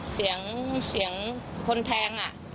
เสียงคนแทงอ่ะ